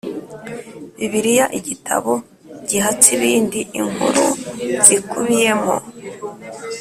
Bibiliya igitabo gihatse ibindi Inkuru zikubiyemo